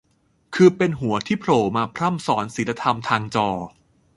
คือเป็นหัวที่โผล่มาพร่ำสอนศีลธรรมทางจอ